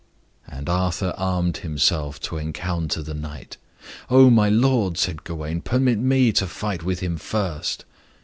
And Arthur armed himself to encounter the knight. "O my lord," said Gawain, "permit me to fight with him first."